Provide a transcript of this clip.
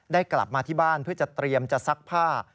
กลับมาที่บ้านเพื่อจะเตรียมจะซักผ้า